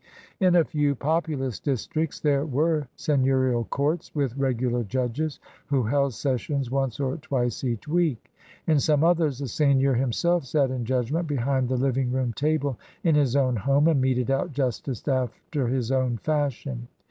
In a few populous districts there were seigneurial courts with r^ular judges who held sessions once or twice each week. In some others the seigneur himself sat in judgment behind the living room table in his own home and meted out justice after his own fashion.